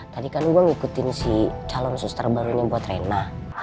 tadi kan gue ngikutin si calon suster barunya buat rena